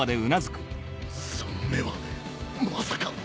その目はまさか